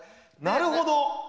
なるほど！